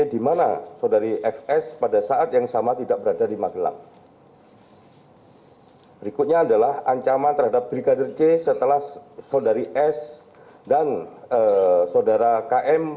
di mana saudari fs pada saat yang sama tidak berada di magelang